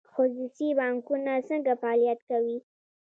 خصوصي بانکونه څنګه فعالیت کوي؟